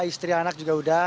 istri anak juga sudah